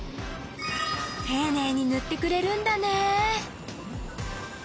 ていねいにぬってくれるんだね。